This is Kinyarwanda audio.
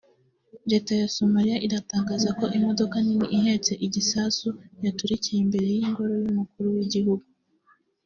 Leta ya Somaliya iratangaza ko imodoka nini ihetse igisasu yaturikiye imbere y’Ingoro y’umukuru w’igihugu